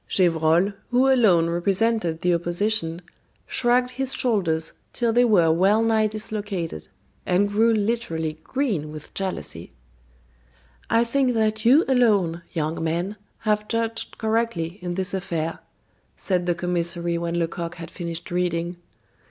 Gevrol, who alone represented the opposition, shrugged his shoulders till they were well nigh dislocated, and grew literally green with jealousy. "I think that you alone, young man, have judged correctly in this affair," said the commissary when Lecoq had finished reading.